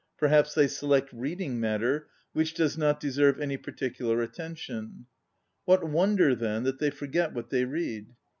Per haps they select reading matter which does not deserve any particular at tention. What wonder, then, that they forget what they read?